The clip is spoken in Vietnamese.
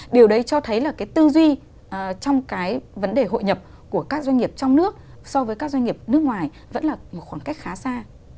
điều đấy cho thấy là cái tư duy trong cái vấn đề hội nhập của các doanh nghiệp trong nước so với các doanh nghiệp nước ngoài vẫn là một khoảng cách khá xa